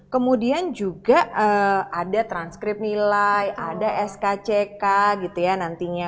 kemudian juga ada transkrip nilai ada skck gitu ya nantinya